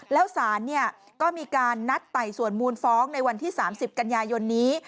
แล้วศาลก็มีการนัดไต่สวนมูลฟ้องในวันที่๓๐กันยายนนี้